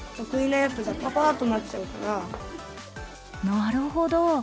なるほど。